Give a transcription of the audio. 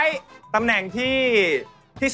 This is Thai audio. ต้องทำเป็นสามกษัตริย์นะ